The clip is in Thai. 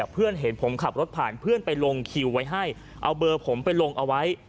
เพื่อนเห็นผมขับรถผ่านเพื่อนไปลงคิวไว้ให้เอาเบอร์ผมไปลงเอาไว้